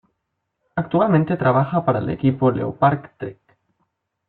Actualmente trabaja para el equipo Leopard Trek.